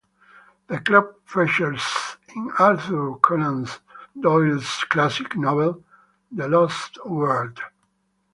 The club features in Arthur Conan Doyle's classic novel, "The Lost World".